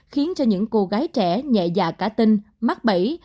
khiến cho những cô gái trẻ nhẹ dạ cả tinh mắc bẫy